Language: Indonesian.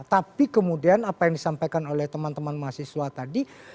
tapi kemudian apa yang disampaikan oleh teman teman mahasiswa tadi